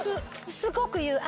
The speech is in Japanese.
すごく言う。